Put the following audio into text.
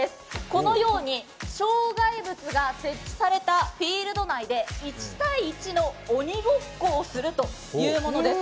このように障害物が設置されたフィールド内で１対１の鬼ごっこをするというものです。